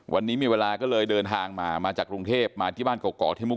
แม่น้องชมพู่แม่น้องชมพู่แม่น้องชมพู่แม่น้องชมพู่